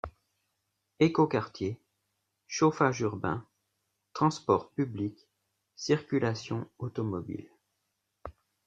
Ecoquartier, chauffage urbain, transports publics, circulation automobile...